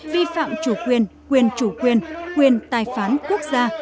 vi phạm chủ quyền quyền chủ quyền quyền tài phán quốc gia